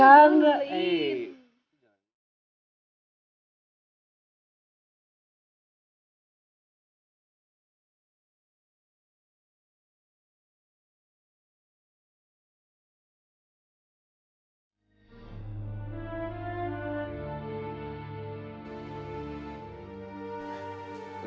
saya nggak udah jual